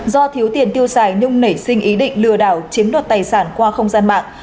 do thiếu tiền tiêu xài nhung nảy sinh ý định lừa đảo chiếm đoạt tài sản qua không gian mạng